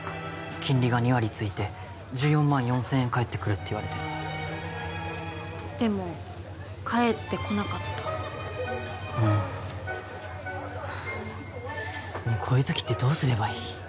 金利が２割ついて１４万４０００円返ってくるって言われてでも返ってこなかったうんねえこういう時ってどうすればいい？